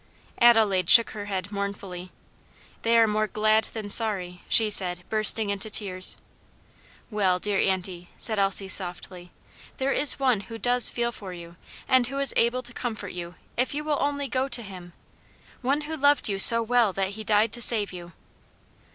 Adelaide shook her head mournfully. "They are more glad than sorry," she said, bursting into tears. "Well, dear aunty," said Elsie softly, "there is One who does feel for you, and who is able to comfort you if you will only go to him. One who loved you so well that he died to save you."